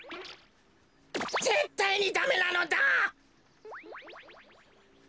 ぜったいにダメなのだ！